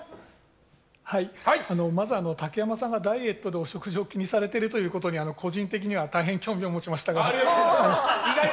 まず、竹山さんがダイエットでお食事を気にされていることに個人的には大変、興味を持ちましたが。